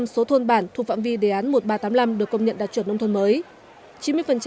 chín mươi số thôn bản thuộc phạm vi đề án một nghìn ba trăm tám mươi năm được công nhận đạt chuẩn nông thôn mới